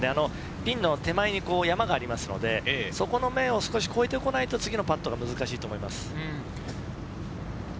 ピンの手前に山がありますので、そこの面を少し越えてこないと、次のパットが難しいと思います。